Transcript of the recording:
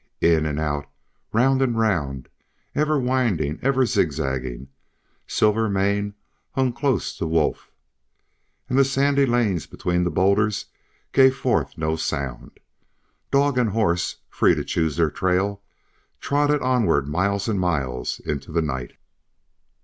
In and out, round and round, ever winding, ever zigzagging, Silvermane hung close to Wolf, and the sandy lanes between the bowlders gave forth no sound. Dog and horse, free to choose their trail, trotted onward miles and miles into the night.